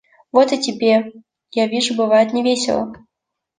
Вот и тебе, я вижу, бывает невесело?